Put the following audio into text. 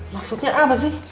maksudnya apa sih